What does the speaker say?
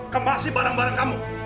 kemahsi barang barang kamu